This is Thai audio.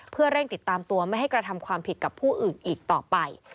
เพื่อเร่งติดตามตัวไม่ให้กระทำความผิดกับผู้อื่นอีกต่อไป